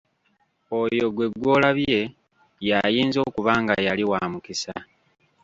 Oyo ggwe gw'olabye ye ayinza okuba nga yali wa mukisa.